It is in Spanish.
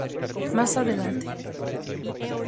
Más adelante.